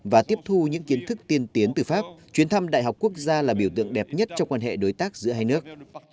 và tiếp thu những kiến thức tiên tiến từ pháp chuyến thăm đại học quốc gia là biểu tượng đẹp nhất trong quan hệ đối tác giữa hai nước